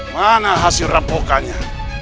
mana hasil rapokannya